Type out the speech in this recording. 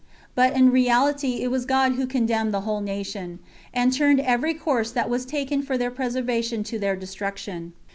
But in reality it was God who condemned the whole nation, and turned every course that was taken for their preservation to their destruction.